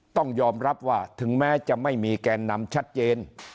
ต้องยอมรับว่าถึงแม้จะไม่มีแกนนำชัดเจน